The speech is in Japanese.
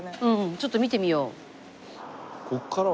ちょっと見てみよう。